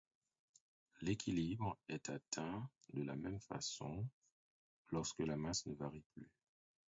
L'équilibre est atteint de la même façon lorsque la masse ne varie plus.